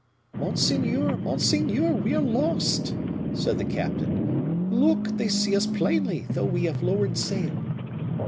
"Monseigneur! monseigneur! we are lost!" said the captain. "Look! they see us plainly, though we have lowered sail."